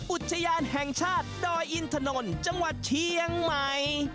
อุทยานแห่งชาติดอยอินถนนจังหวัดเชียงใหม่